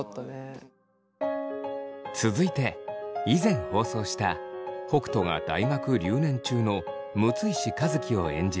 続いて以前放送した北斗が大学留年中の六石和樹を演じる